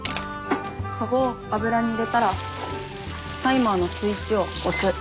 カゴを油に入れたらタイマーのスイッチを押す。